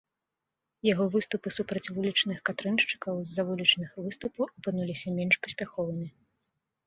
Яго выступы супраць вулічных катрыншчыкаў з-за вулічных выступаў апынуліся менш паспяховымі.